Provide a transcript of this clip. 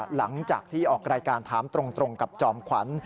หลังจากที่ออกรายการถามตรงกับจอมขวัญ